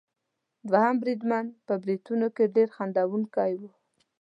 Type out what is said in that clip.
دوهم بریدمن په بریتونو کې ډېر خندوونکی وو.